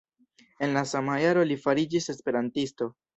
En la sama jaro li fariĝis esperantisto.